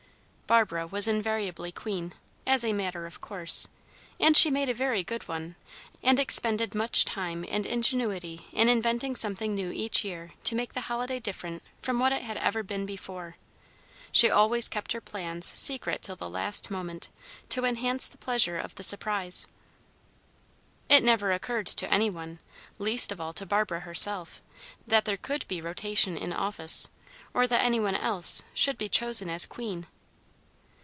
Barbara was invariably queen, as a matter of course, and she made a very good one, and expended much time and ingenuity in inventing something new each year to make the holiday different from what it had ever been before. She always kept her plans secret till the last moment, to enhance the pleasure of the surprise. It never occurred to any one, least of all to Barbara herself, that there could be rotation in office, or that any one else should be chosen as queen.